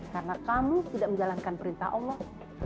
karena kamu tidak menjalankan perintah allah